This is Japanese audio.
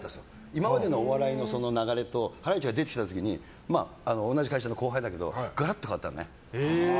今までのお笑いの流れとハライチが出てきた時に同じ会社の後輩だけどガラッと変わったよね。